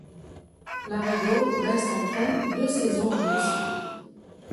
Laredo reste en tout deux saisons à Murcie.